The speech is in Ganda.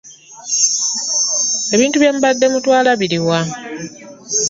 Ebintu bye mubadde mutwala biri wa?